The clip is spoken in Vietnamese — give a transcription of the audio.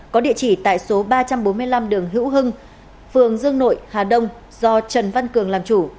có địa chỉ tại số ba trăm bốn mươi năm đường hữu hưng phường dương nội hà đông do trần văn cường làm chủ